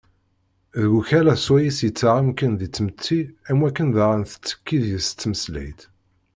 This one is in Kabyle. Deg ukala s wayes yettaɣ amkan di tmetti, am wakken daɣen tettekki deg-s tmeslayt.